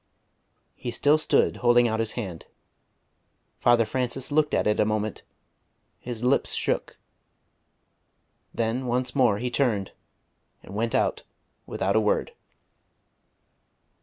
He still stood holding out his hand. Father Francis looked at it a moment, his lips shook: then once more he turned, and went out without a word.